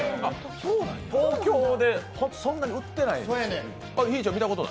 東京でそんなに売ってないんですよ。